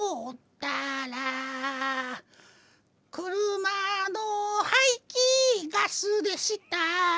「車の排気ガスでした」